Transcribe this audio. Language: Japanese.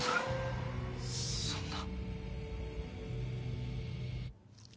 そんな。